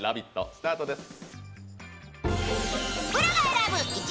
スタートです。